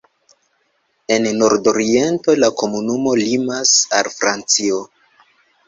En nordoriento la komunumo limas al Francio.